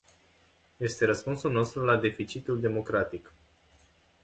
Este răspunsul nostru la deficitul democratic.